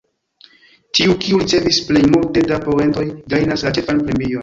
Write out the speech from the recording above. Tiu, kiu ricevis plej multe da poentoj, gajnas la ĉefan premion.